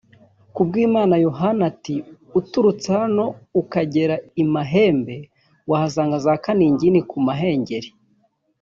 Kubwimana Yohani ati “Uturutse hano ukagera i Mahembe wahasanga za kaningini ku muhengeri